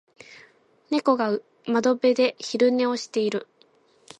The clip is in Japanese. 猫が窓辺で昼寝をしている。